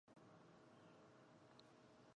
它的总部位于达卡。